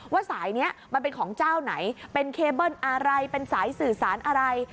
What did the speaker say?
ว่าสายนี้มันเป็นของเจ้าไหนเป็นเคเบิ้ลอะไรเป็นสายสื่อสารอะไร